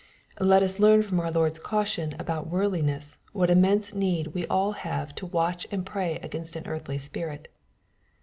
Let us learn from our Lord's caution about worldliness what immense need we all have to watch and pray against an earthly spirit.